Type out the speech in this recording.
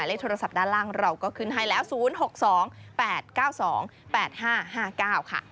เลขโทรศัพท์ด้านล่างเราก็ขึ้นให้แล้ว๐๖๒๘๙๒๘๕๕๙ค่ะ